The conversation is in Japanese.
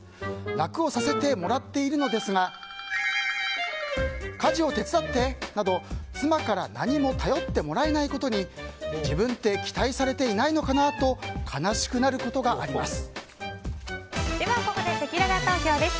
楽をさせてもらっているのですが家事を手伝ってなど、妻から何も頼ってもらえないことに自分って期待されていないのかなとでは、ここでせきらら投票です。